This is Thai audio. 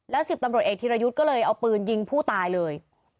๑๐ตำรวจเอกธิรยุทธ์ก็เลยเอาปืนยิงผู้ตายเลย